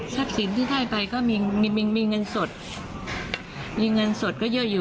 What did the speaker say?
ศักดิ์สินที่ได้ไปก็มีเงินสด